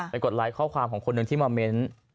ไปกดไลก์ค่อความของคนนึงที่มาเมนต์